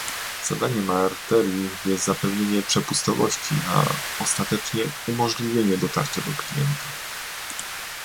Zadaniem arterii jest zapewnienie przepustowości, a ostatecznie - umożliwienie dotarcia do klientów